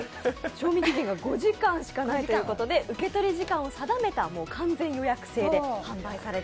賞味期限が５時間しかないということで受取時間を定めた完全予約制です。